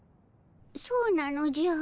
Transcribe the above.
そうなのじゃ。